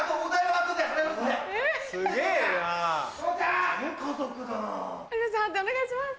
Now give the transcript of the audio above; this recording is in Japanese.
判定お願いします。